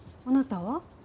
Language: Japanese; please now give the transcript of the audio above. あなたは？